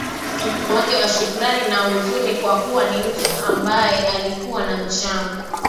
wake kwa shukrani na huzuni kwa kuwa ni mtu ambaye alikuwa na mchango